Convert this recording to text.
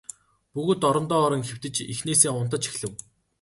Бүгд орондоо орон хэвтэж эхнээсээ унтаж эхлэв.